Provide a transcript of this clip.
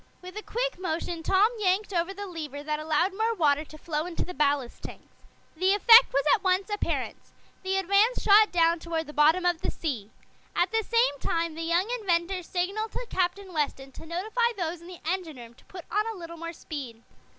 With a quick motion Tom yanked over the lever that allowed more water to flow into the ballast tanks. The effect was at once apparent. The Advance shot down toward the bottom of the sea. At the same time the young inventor signaled to Captain Weston to notify those in the engine room to put on a little more speed.